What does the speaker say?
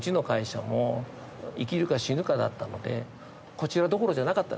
こちらどころじゃなかった。